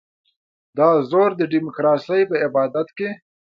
دا زور د ډیموکراسۍ په عبادت کې.